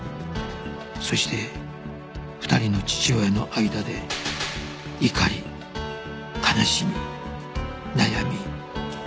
そして２人の父親の間で怒り悲しみ悩み揺れ動き